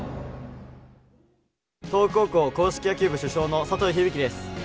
東北高校硬式野球部主将の佐藤響です。